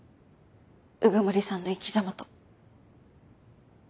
鵜久森さんの生きざまと。